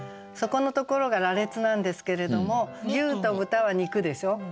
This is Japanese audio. そこのところが羅列なんですけれども牛と豚は肉でしょ。